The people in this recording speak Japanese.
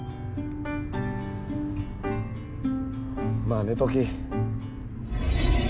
まあ寝とき。